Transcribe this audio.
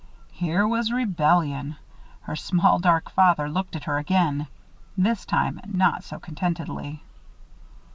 Here was rebellion! Her small dark father looked at her again. This time not so contentedly.